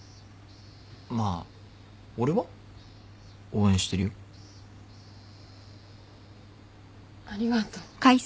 まあ俺は応援してるよ。ありがと。